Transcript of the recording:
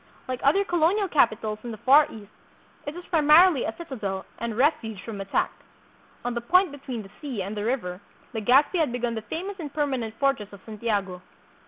Like other colonial capitals in the Far East, it was primarily a citadel and refuge from attack. On the point between the sea and the river Legazpi had begun the famous and permanent fortress of Santiago.